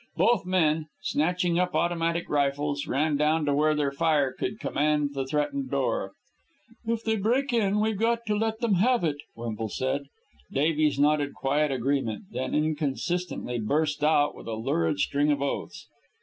Both men, snatching up automatic rifles, ran down to where their fire could command the threatened door. "If they break in we've got to let them have it," Wemple said. Davies nodded quiet agreement, then inconsistently burst out with a lurid string of oaths.